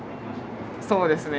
そうですね。